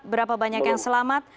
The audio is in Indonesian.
berapa banyak yang selamat